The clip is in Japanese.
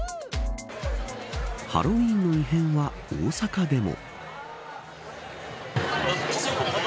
ハロウィーンの異変は大阪でも。